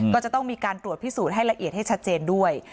ก็จะต้องมีการตรวจพิสูจน์ให้ละเอียดให้ชัดเจนด้วย